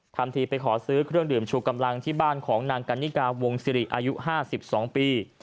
ทำทีไปขอซื้อเครื่องดื่มชูกำลังที่บ้านของนางกันนิกาวงศิริอายุ๕๒ปี